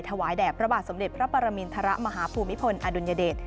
ถวายแด่พระบาทสมเด็จพระปรมินทรมาฮภูมิพลอดุลยเดช